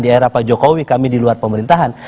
di era pak jokowi kami di luar pemerintahan